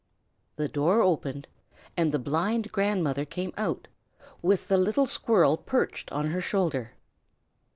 The door opened, and the blind grandmother came out, with the little squirrel perched on her shoulder.